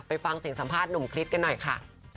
ฟังเสียงสัมภาษณ์หนุ่มคริสกันหน่อยค่ะ